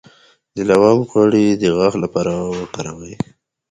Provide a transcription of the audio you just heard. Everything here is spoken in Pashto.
د لونګ غوړي د غاښ لپاره وکاروئ